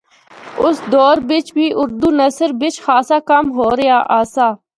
اُس دور بچ بھی اُردو نثر بچ خاصا کم ہو رہیا آسا۔